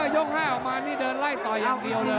ย่งหน้าออกมานี่เดินไล่ต่อยังเดียวเลย